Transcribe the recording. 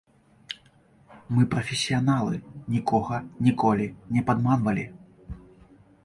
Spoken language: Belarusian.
Мы прафесіяналы, нікога ніколі не падманвалі.